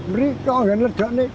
berikut kan lecok nih